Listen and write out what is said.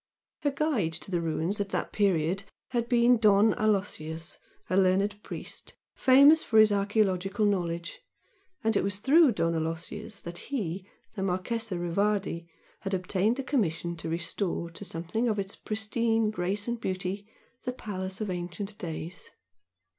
Her guide to the ruins at that period had been Don Aloysius, a learned priest, famous for his archaeological knowledge and it was through Don Aloysius that he, the Marchese Rivardi, had obtained the commission to restore to something of its pristine grace and beauty the palace of ancient days.